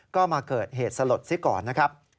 ก็มาเกิดเหตุสลดซิก่อนนะครับ